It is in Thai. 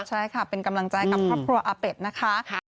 ใช่ค่ะเป็นกำลังใจกับครอบครัวอาเป็ดนะคะ